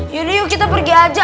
yaudah yuk kita pergi aja